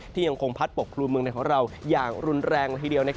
ยังคงพัดปกครุมเมืองในของเราอย่างรุนแรงละทีเดียว